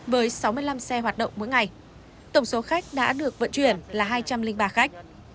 với sáu mươi năm xe hoạt động mỗi ngày tổng số khách đã được vận chuyển là hai trăm linh ba khách